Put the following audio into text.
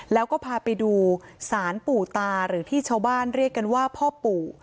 แล้วก็พาไปดูหรือที่ชาวบ้านเรียกว่าพ่อปู่